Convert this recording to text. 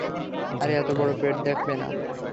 আরে এতো বড় পেট দেখবে না।